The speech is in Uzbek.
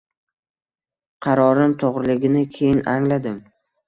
Qarorim to‘g‘riligini keyin angladim.